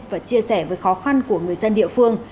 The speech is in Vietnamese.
và chia sẻ với khó khăn của người dân địa phương